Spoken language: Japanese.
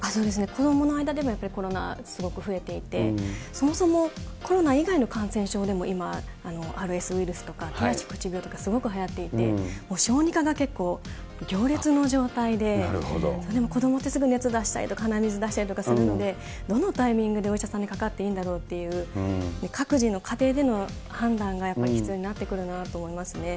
子どもの間でもやっぱりコロナ、すごく増えていて、そもそもコロナ以外の感染症でも今、ＲＳウイルスとか、手足口病とかすごくはやっていって、小児科が結構行列の状態で、子どもってすぐ熱出したりとか、鼻水出したりとかするので、どのタイミングでお医者さんにかかっていいんだろうって、各自の家庭での判断がやっぱり必要になってくるなと思いますね。